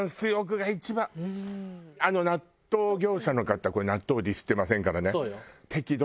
あの納豆業者の方これ納豆をディスってませんからね。